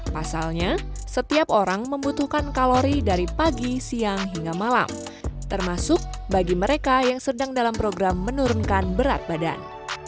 pasalnya setiap orang membutuhkan kalori dari pagi siang hingga malam termasuk bagi mereka yang sedang dalam program menurunkan berat badan